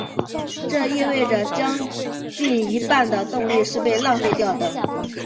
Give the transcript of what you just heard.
这意味者有将近一半的动力是被浪费掉的。